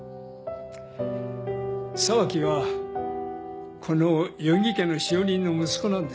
沢木はこの余木家の使用人の息子なんです。